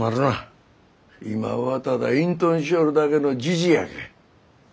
今はただ隠とんしよるだけのジジイやけん。